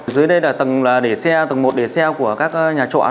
dưới đây là tầng là để xe tầng một để xe của các nhà trọ